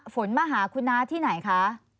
ฝนมาหาคุณน้าที่ไหนคะ